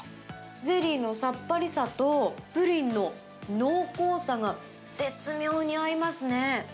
ゼリーのさっぱりさとプリンの濃厚さが絶妙に合いますね。